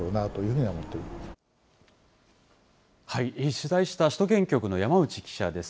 取材した首都圏局の山内記者です。